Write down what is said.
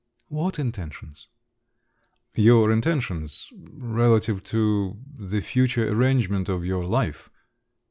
"What intentions?" "Your intentions … relative to … the future arrangement of your life."